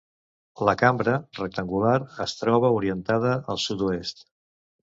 La cambra, rectangular, es troba orientada al sud-oest.